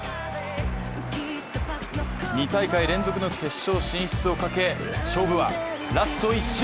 ２大会連続の決勝進出をかけ勝負はラスト１周！